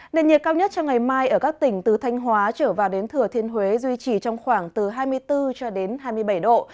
nền nhiệt cao nhất cho ngày mai ở các tỉnh từ thanh hóa trở vào đến thừa thiên huế duy trì trong khoảng từ hai mươi bốn cho đến hai mươi bảy độ